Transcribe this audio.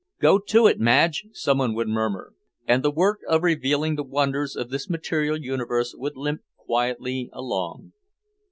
"Go to it, Madge," someone would murmur. And the work of revealing the wonders of this material universe would limp quietly along.